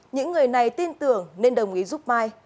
những người này tin tưởng nên đồng ý giúp mai